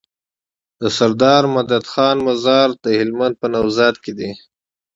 دسردار مدد خان مزار د هلمند په نوزاد کی دی